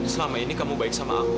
selama ini kamu baik sama aku